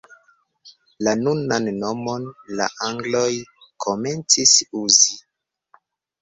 La nunan nomon la angloj komencis uzi.